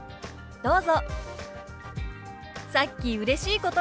どうぞ。